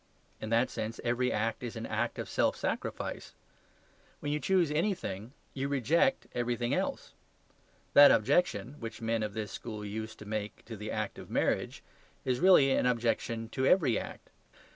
In that sense every act is an act of self sacrifice. When you choose anything, you reject everything else. That objection, which men of this school used to make to the act of marriage, is really an objection to every act.